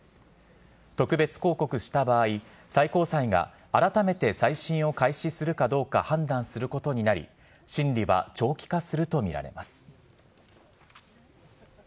特別抗告した場合最高裁があらためて再審を開始するかどうか判断することになり審理は長期化するとみられます。